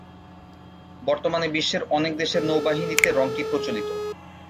বর্তমানে বিশ্বের অনেক দেশের নৌবাহিনীতে রঙটি প্রচলিত।